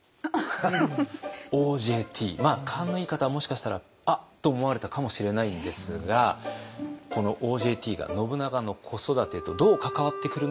勘のいい方はもしかしたら「あっ！」と思われたかもしれないんですがこの「ＯＪＴ」が信長の子育てとどう関わってくるのか。